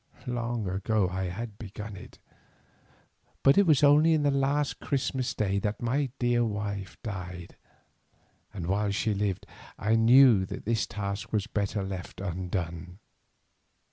Long ago I had begun it, but it was only on last Christmas Day that my dear wife died, and while she lived I knew that this task was better left undone.